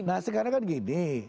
nah sekarang kan gini